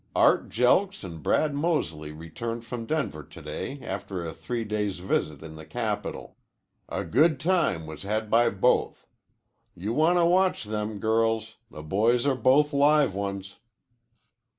Art Jelks and Brad Mosely returned from Denver today after a three days' visit in the capital. A good time was had by both. You want to watch them, girls. The boys are both live ones.